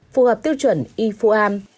phù hợp tiêu chuẩn e bốn am